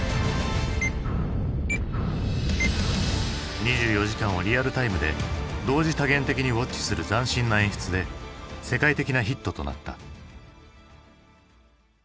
２４時間をリアルタイムで同時多元的にウォッチする斬新な演出で世界的なヒットとなった。